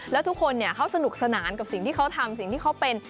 แล้วทุกคนเขาสนุกสนานกับสิ่งที่เขาทำสิ่งที่เขาเป็น